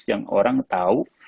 yang orang tahu